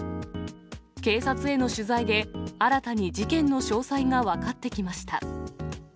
警察への取材で、新たに事件の詳細が分かってきました。